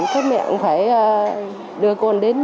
thế mẹ cũng phải đưa con đến